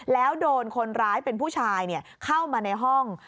แล้วโดนคนร้ายเป็นผู้ชายเข้ามาในห้อง